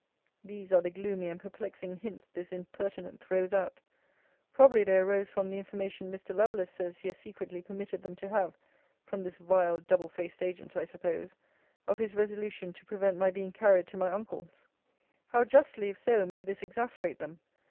These are the gloomy and perplexing hints this impertinent throws out. Probably they arose from the information Mr. Lovelace says he has secretly permitted them to have (from this vile double faced agent, I suppose!) of his resolution to prevent my being carried to my uncle's. How justly, if so, may this exasperate them!